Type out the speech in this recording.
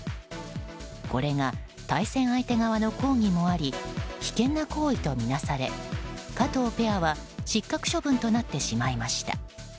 これが、対戦相手側の抗議もあり危険な行為とみなされ加藤ペアは失格処分となってしまいました。